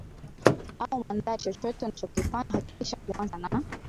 au mandhari Chochote unachokifanya hakikisha kuanza na